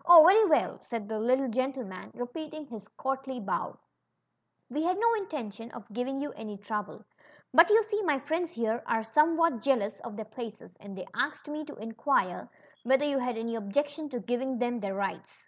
— Oh ! very well," said the lit tle gentleman, repeating his courtly bow ; we had no intention of giving yon any trouble ; but yon see my friends here are somewhat jealous of their places, and they asked me to inquire whether you had any objection to giving them their rights."